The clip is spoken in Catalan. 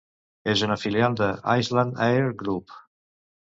És una filial de Icelandair Group.